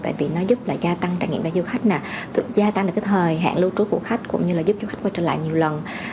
tại vì nó giúp là gia tăng trải nghiệm cho du khách gia tăng được cái thời hạn lưu trú của khách cũng như là giúp du khách quay trở lại nhiều lần